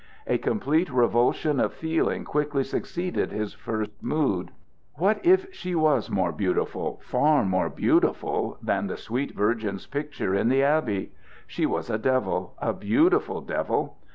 A complete revulsion of feeling quickly succeeded his first mood. What if she was more beautiful far more beautiful than the sweet Virgin's picture in the abbey? She was a devil, a beautiful devil.